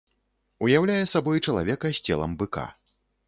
Уяўляе сабой чалавека з целам быка.